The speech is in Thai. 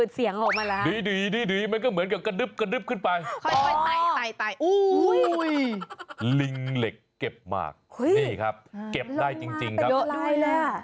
ส้นล้มม้าเป็นอะไรล่ะ